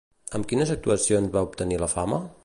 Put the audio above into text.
Amb quines actuacions va obtenir la fama?